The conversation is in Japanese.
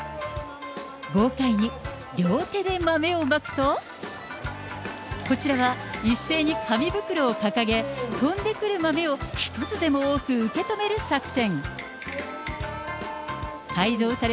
豪快に両手で豆をまくと、こちらは一斉に紙袋を掲げ、飛んでくる豆を一つでも多く受け止める作戦。